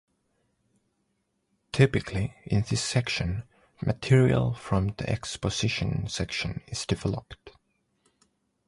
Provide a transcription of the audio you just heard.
Typically, in this section, material from the exposition section is developed.